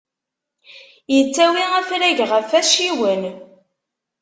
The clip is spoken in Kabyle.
Ittawi afrag ɣef acciwen.